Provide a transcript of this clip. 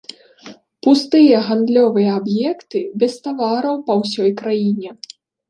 Пустыя гандлёвыя аб'екты без тавараў па ўсёй краіне.